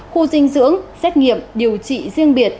khu dinh dưỡng xét nghiệm điều trị riêng biệt